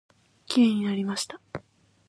きれいになりました。